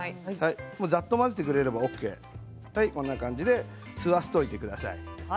ざっと混ぜてくれればＯＫでこんな感じで吸わせておいてください。